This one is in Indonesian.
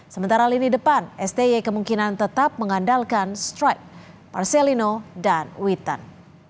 sementara lini depan sti kemungkinan tetap mengandalkan strike marcelino dan witan